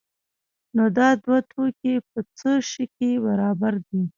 نو دا دوه توکي په څه شي کې برابر دي؟